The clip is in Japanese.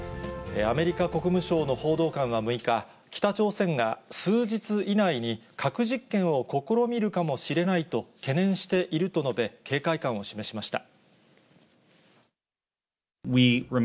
アメリカ国務省の報道官は６日、北朝鮮が数日以内に、核実験を試みるかもしれないと懸念していると述べ、警戒感を示しました。